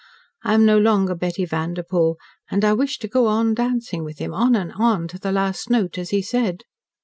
I am no longer Betty Vanderpoel and I wish to go on dancing with him on and on to the last note, as he said."